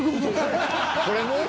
これも？